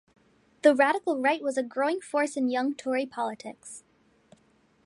The radical right was a growing force in young Tory politics.